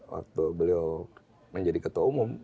waktu beliau menjadi ketua umum